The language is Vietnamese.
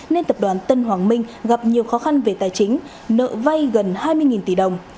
nên tập đoàn tân hoàng minh gặp nhiều khó khăn về tài chính nợ vay gần hai mươi tỷ đồng